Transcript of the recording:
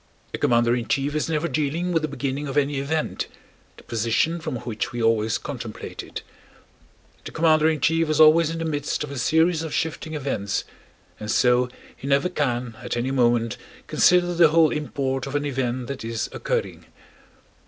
A commander in chief is never dealing with the beginning of any event—the position from which we always contemplate it. The commander in chief is always in the midst of a series of shifting events and so he never can at any moment consider the whole import of an event that is occurring.